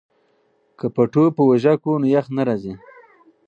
که پټو په اوږه کړو نو یخ نه راځي.